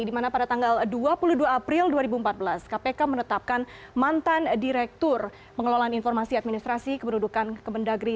di mana pada tanggal dua puluh dua april dua ribu empat belas kpk menetapkan mantan direktur pengelolaan informasi administrasi keberudukan kemendagri